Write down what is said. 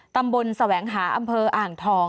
แสวงหาอำเภออ่างทอง